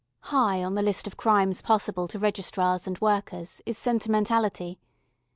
High on the list of crimes possible to Registrars and Workers is Sentimentality.